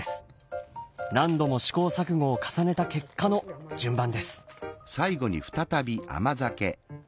何度も試行錯誤を重ねた結果の順番です。